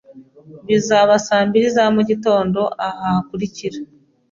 bizaba saa mbiri za mu gitondo aha hakurikira